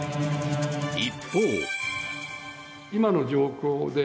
一方。